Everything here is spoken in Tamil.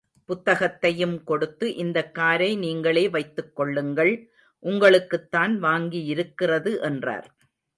புத்தகத்தையும் கொடுத்து இந்தக் காரை நீங்களே வைத்துக் கொள்ளுங்கள், உங்களுக்குத்தான் வாங்கியிருக்கிறது என்றார்.